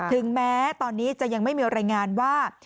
ถึงแม้ตอนนี้จะยังไม่มีรายงานว่า